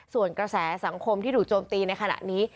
ส่วนกระแสสังคมที่ถูกโจมตีในขณะนี้